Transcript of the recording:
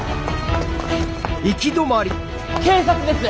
警察です。